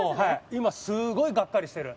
今、すごいがっかりしてる。